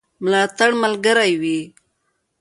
ملاتړ ملګری وي.